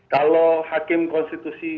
kalau hakim konstitusi